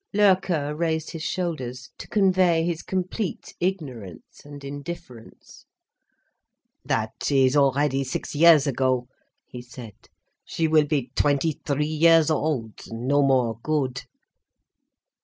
Loerke raised his shoulders, to convey his complete ignorance and indifference. "That is already six years ago," he said; "she will be twenty three years old, no more good."